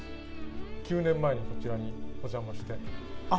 ９年前に、こちらにお邪魔して。